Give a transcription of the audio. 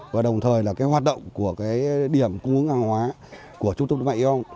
và đồng thời là cái hoạt động của cái điểm cung ứng hàng hóa của trung tâm đức mạnh yêu